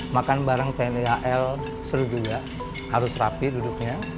makan bareng tni hl seru juga harus rapi duduknya